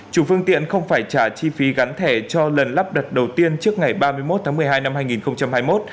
chủ phương tiện không phải trả chi phí gắn thẻ cho lần lắp đặt đầu tiên trước ngày ba mươi một tháng một mươi hai năm hai nghìn hai mươi một